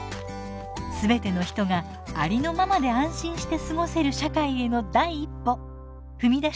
全ての人がありのままで安心して過ごせる社会への第一歩踏み出してみませんか？